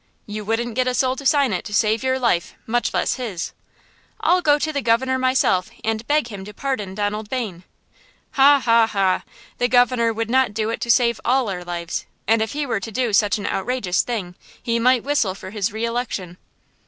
"You wouldn't get a soul to sign it to save your life, much less his." "I'll go to the Governor myself, and beg him to pardon Donald Bayne!" "Ha! ha! ha! the Governor would not do it to save all our lives, and if he were to do such an outrageous thing he might whistle for his reelection!"